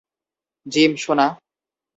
Gym, সোনা?